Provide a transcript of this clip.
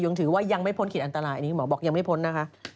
ยังถือยังไม่พ้นขีดอันตรายหมอกบอกยังไม่พ้นนะฮะ